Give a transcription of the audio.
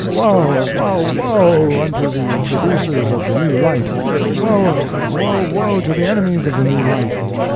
Woe, woe, woe, unto the traducers of the new light! woe, woe, woe, to the enemies of the new light!